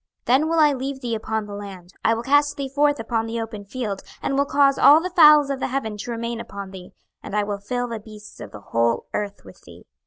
26:032:004 Then will I leave thee upon the land, I will cast thee forth upon the open field, and will cause all the fowls of the heaven to remain upon thee, and I will fill the beasts of the whole earth with thee.